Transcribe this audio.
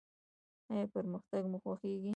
ایا پرمختګ مو خوښیږي؟